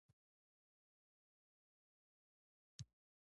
په افغانستان کې د هلمند سیند په اړه زده کړه کېږي.